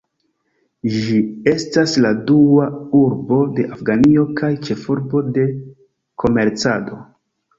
Ĝi estas la dua urbo de Afganio kaj ĉefurbo de komercado.